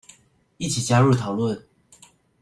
一起加入討論